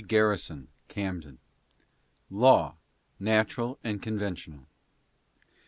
GARRISON: Camden. LAW— NATURAL AXD CGXVEXTIOXAL.